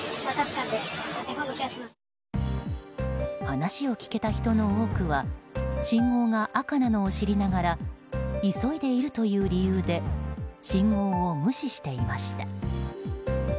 話を聞けた人の多くは信号が赤なのを知りながら急いでいるという理由で信号を無視していました。